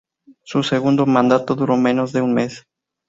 Su segundo mandato duró menos de un mes.